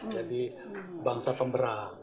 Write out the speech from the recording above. jadi bangsa pemberang